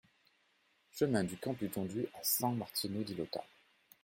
Chemin du Campu Tondu à San-Martino-di-Lota